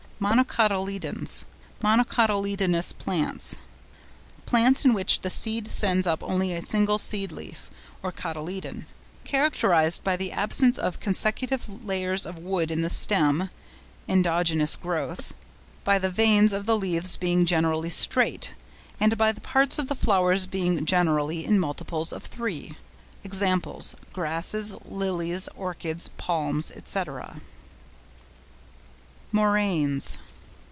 MONOCOTYLEDONS, or MONOCOTYLEDONOUS PLANTS.—Plants in which the seed sends up only a single seed leaf (or cotyledon); characterised by the absence of consecutive layers of wood in the stem (endogenous growth), by the veins of the leaves being generally straight, and by the parts of the flowers being generally in multiples of three. (Examples, Grasses, Lilies, Orchids, Palms, &c.) MORAINES.